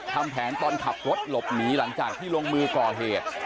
ทำแผนตอนขับรถหลบหนีหลังจากที่ลงมือก่อเหตุ